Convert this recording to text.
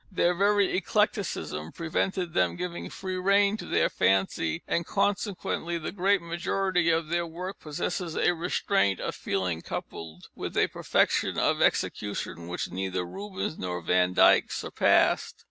Their very eclecticism prevented them giving free rein to their fancy, and consequently the great majority of their works possess a restraint of feeling, coupled with a perfection of execution, which neither Rubens nor Van Dyck surpassed.